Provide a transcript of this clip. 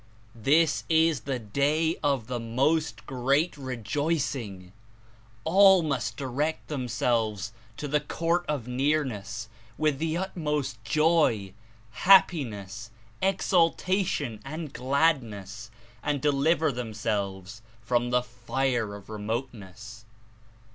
This Is the Day of the Most Great Rejoicing! All must direct them selves to the court of Nearness with the utmost joy, happiness, exultation and gladness, and deliver them selves from the fire of remoteness."